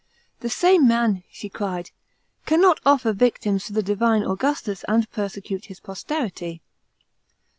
" The same man," she cried, " cannot offer victims to the divine Augustus, and persecute his posterity."